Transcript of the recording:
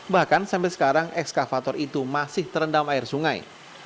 bahkan sampai sekarang ekskavator itu masih terendam air sungai